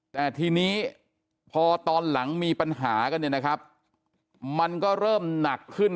แต่ทีนี้พอตอนหลังมีปัญหากันเนี่ยนะครับมันก็เริ่มหนักขึ้น